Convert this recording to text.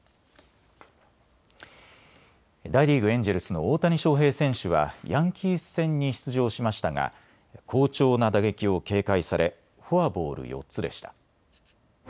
大リーグ、エンジェルスの大谷翔平選手はヤンキース戦に出場しましたが好調な打撃を警戒されフォアボール４つでした。